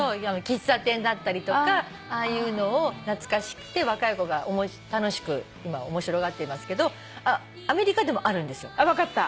喫茶店だったりとかああいうのを懐かしくて若い子が楽しく今面白がっていますけどアメリカでもあるんですよ。分かった。